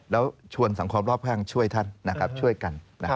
แล้วชวนสังคมรอบข้างช่วยท่านช่วยกัน